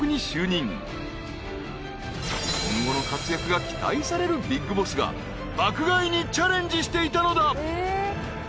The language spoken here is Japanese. ［今後の活躍が期待されるビッグボスが爆買いにチャレンジしていたのだ］